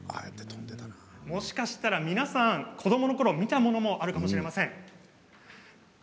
もしかしたら皆さん子どものころ見たものもあるかもしれません。